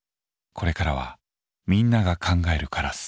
これからはみんなが「考えるカラス」。